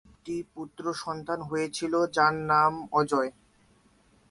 তাদের একটি পুত্র সন্তান হয়েছিল, যার নাম অজয়।